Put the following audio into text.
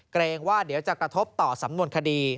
เกรงว่าเดี๋ยวจะกระทบต่อสำนวนคดี